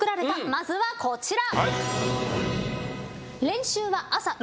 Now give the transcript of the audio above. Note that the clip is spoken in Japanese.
まずはこちら。